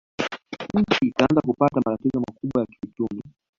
Nchi ikaanza kupata matatizo makubwa ya kiuchumi